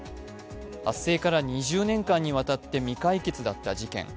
発生から２０年間にわたって未解決だった事件。